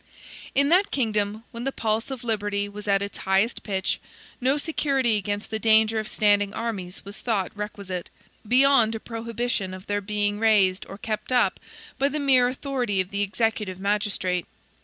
In that kingdom, when the pulse of liberty was at its highest pitch, no security against the danger of standing armies was thought requisite, beyond a prohibition of their being raised or kept up by the mere authority of the executive magistrate.